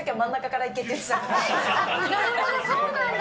なるほど、そうなんだ。